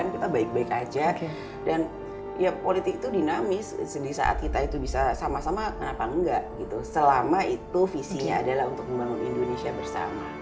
kita baik baik aja dan ya politik itu dinamis di saat kita itu bisa sama sama kenapa enggak gitu selama itu visinya adalah untuk membangun indonesia bersama